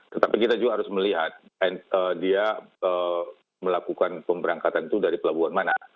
tetapi kita juga harus melihat dia melakukan pemberangkatan itu dari pelabuhan mana